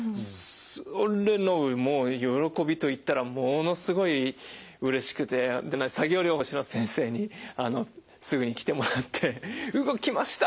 それのもう喜びといったらものすごいうれしくて作業療法士の先生にすぐに来てもらって「動きました！」。